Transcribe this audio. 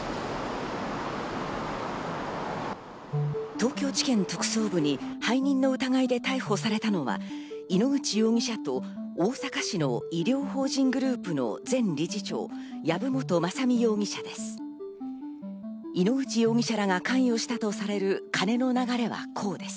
東京地検特捜部に背任の疑いで逮捕されたのは、井ノ口容疑者と大阪市の医療法人グループの前理事長、籔本雅巳容疑者です。